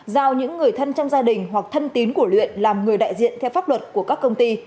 giao những người thân trong gia đình hoặc thân tín của luyện làm người đại diện theo pháp luật của các công ty